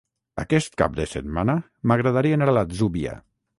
Aquest cap de setmana m'agradaria anar a l'Atzúbia.